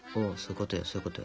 そういうことよ。